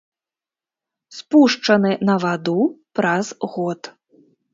Спушчаны на ваду праз год.